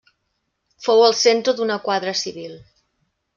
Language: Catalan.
Fou el centre d'una quadra civil.